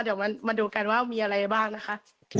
เดี๋ยวมาดูกันว่ามีอะไรบ้างนะคะ